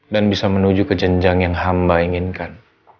dan bisa menuju ke jenjang yang amba inginkan